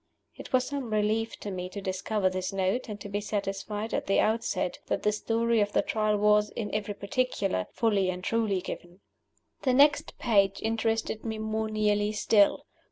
It was some relief to me to discover this Note, and to be satisfied at the outset that the Story of the Trial was, in every particular, fully and truly given. The next page interested me more nearly still.